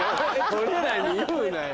俺らに言うなよ。